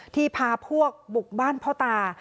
ที่พาพวกบุกบ้านพระอาวตา